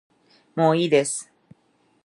もういいです